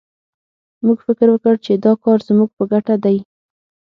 موږ فکر وکړ چې دا کار زموږ په ګټه دی